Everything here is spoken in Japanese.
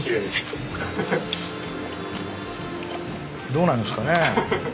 どうなんですかね。